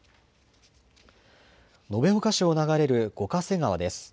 延岡市を流れる五ヶ瀬川です。